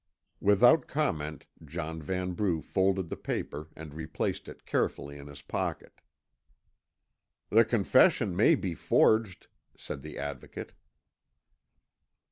Without comment, John Vanbrugh folded the paper, and replaced it carefully in his pocket. "The confession may be forged," said the Advocate.